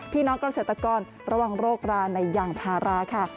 พี่น้องเกษตรกรระวังโรคราในยางพาราค่ะ